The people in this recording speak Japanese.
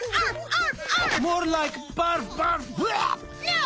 あっ。